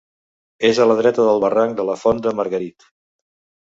És a la dreta del barranc de la Font de Margarit.